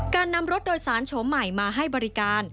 การนำรถโดยสารโฉมใหม่มาให้บริการ